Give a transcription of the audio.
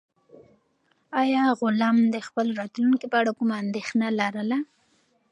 آیا غلام د خپل راتلونکي په اړه کومه اندېښنه لرله؟